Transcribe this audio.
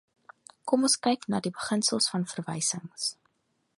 Kom ons kyk na die beginsels van verwysings.